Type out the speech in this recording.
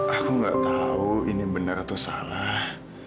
aku nggak tahu ini benar atau salah